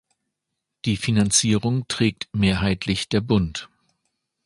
Die Finanzierung trägt mehrheitlich der Bund.